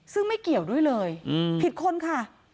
ซึ่งไม่เกี่ยวด้วยเลยผิดคนค่ะ